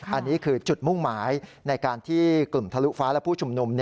อันนี้คือจุดมุ่งหมายในการที่กลุ่มทะลุฟ้าและผู้ชุมนุม